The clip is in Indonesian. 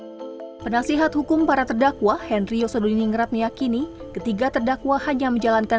hai penasihat hukum para terdakwa henry yosoduni ngerat meyakini ketiga terdakwa hanya menjalankan